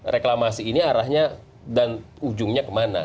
reklamasi ini arahnya dan ujungnya kemana